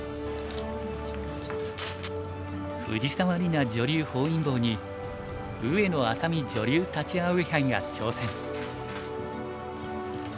藤沢里菜女流本因坊に上野愛咲美女流立葵杯が挑戦。